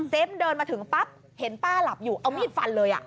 เดินมาถึงปั๊บเห็นป้าหลับอยู่เอามีดฟันเลย